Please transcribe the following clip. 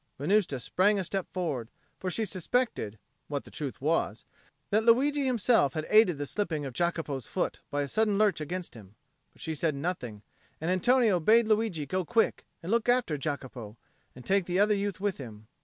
Venusta sprang a step forward, for she suspected (what the truth was) that Luigi himself had aided the slipping of Jacopo's foot by a sudden lurch against him; but she said nothing, and Antonio bade Luigi go quick and look after Jacopo, and take the other youth with him.